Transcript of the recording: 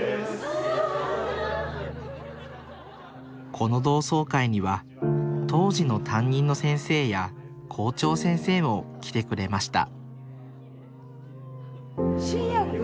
この同窓会には当時の担任の先生や校長先生も来てくれました真也くん？